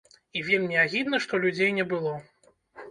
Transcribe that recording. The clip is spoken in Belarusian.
І вельмі агідна, што людзей не было.